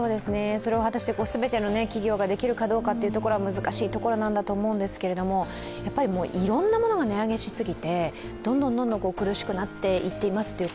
それを果たして全ての企業ができるかどうかは難しいところなんだと思うんですけれども、いろんなものが値上げしすぎてどんどん苦しくなっていっていますという声